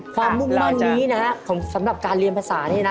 มุ่งมั่นนี้นะฮะสำหรับการเรียนภาษานี่นะ